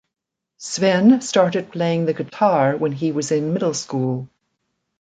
Sven started playing the guitar when he was in middle school.